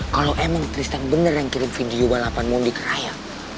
kalau emang tristan bener yang kirim video w dua puluh delapan mondi ke raya